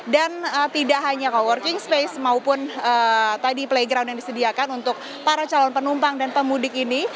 dan tidak hanya co working space maupun tadi playground yang disediakan untuk para calon penumpang dan pemudik ini